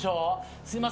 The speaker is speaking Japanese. すいません